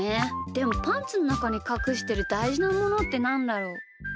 でもパンツのなかにかくしてるだいじなものってなんだろう？